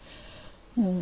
うん。